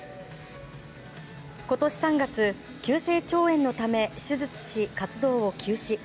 今年３月、急性腸炎のため手術し活動を休止。